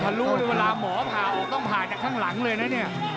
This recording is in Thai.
รู้เลยเวลาหมอผ่าออกต้องผ่าจากข้างหลังเลยนะเนี่ย